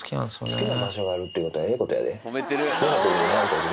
好きな場所があるっていうことは、ええことやで。